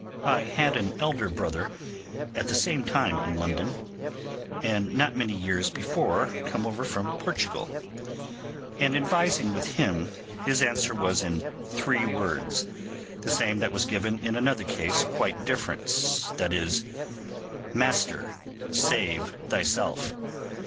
I had an elder brother at the same time in London, and not many years before come over from Portugal: and advising with him, his answer was in three words, the same that was given in another case quite different, viz., 'Master, save thyself.